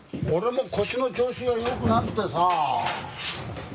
俺も腰の調子が良くなくてさ。